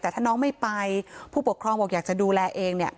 แต่ถ้าน้องไม่ไปผู้ปกครองบอกอยากจะดูแลเองเนี่ย